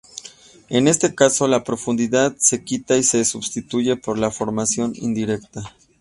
En este caso, la profundidad se quita y se substituye por la información indirecta.